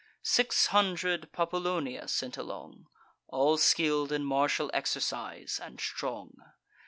Six hundred Populonia sent along, All skill'd in martial exercise, and strong.